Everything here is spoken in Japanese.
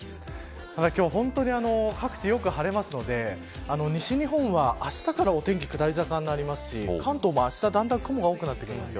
今日は本当に各地よく晴れるので西日本は、あしたからお天気、下り坂になりますし関東もあした、だんだん雲が多くなってくるんです。